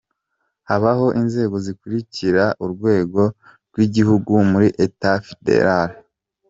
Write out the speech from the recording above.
Habaho inzego zikurikira kurwego rw’igihugu muri État Fédéral :